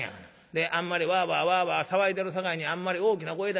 であんまりわあわあわあわあ騒いでるさかいに『あんまり大きな声出したらあかんで。